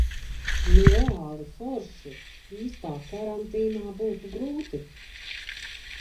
Nu reāli forši. Īstā karantīnā būtu grūti.